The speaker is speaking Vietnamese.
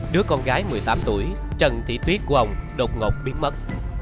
đứa con gái một mươi tám tuổi trần thị tuyết của ông đột ngột biến mất